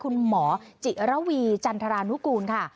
คุณหมอจิระวีจันทรานุกูลค่ะ